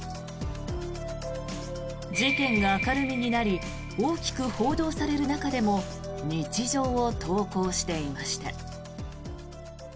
事件が明るみになり大きく報道される中でも日常を投稿していました。